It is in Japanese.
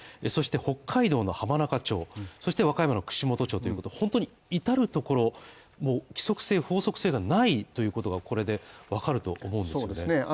そして北海道の浜中町、そして和歌山の串本町ということを本当に至るところ規則性法則性がないということがこれでわかると思うんですよね